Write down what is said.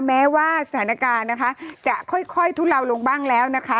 แม้ว่าสถานการณ์นะคะจะค่อยทุเลาลงบ้างแล้วนะคะ